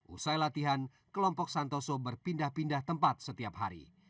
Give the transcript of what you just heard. usai latihan kelompok santoso berpindah pindah tempat setiap hari